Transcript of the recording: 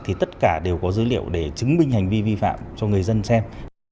thì tất cả đều có dữ liệu để chứng minh hành vi vi phạm cho người dân xem